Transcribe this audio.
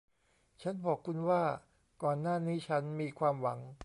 ฉันบอกคุณว่าก่อนหน้านี้ฉันมีความหวัง